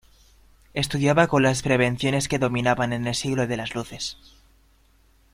Estudiaba con las prevenciones que dominaban en el Siglo de las Luces.